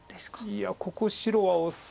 いやここ白は。